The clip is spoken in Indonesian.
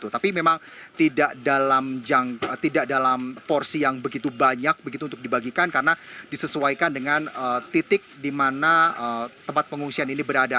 tapi memang tidak dalam porsi yang begitu banyak begitu untuk dibagikan karena disesuaikan dengan titik di mana tempat pengungsian ini berada